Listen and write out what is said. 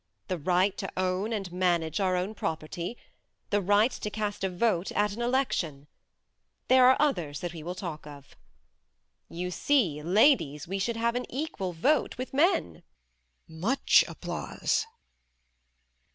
The right to own and manage our own property. The right to cast a vote at an election. There are others that we will talk of. You see ladies we should have an equal vote with men. (Much applause).